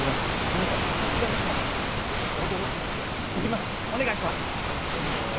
皆さん、こちらの部屋で驚きますよ。